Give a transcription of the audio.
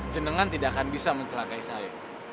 jenengan tidak akan bisa mencelakai saya